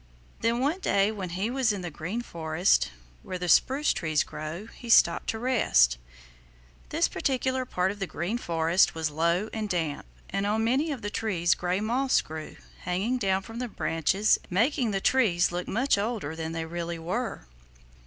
Then one day when he was in the Green Forest where the spruce trees grow, he stopped to rest. This particular part of the Green Forest was low and damp, and on many of the trees gray moss grew, hanging down from the branches and making the trees look much older than they really were.